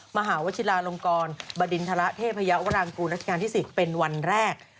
มหาวชิลาลงกรบดินทรเทพยาวรางกูลรัชกาลที่๑๐เป็นวันแรก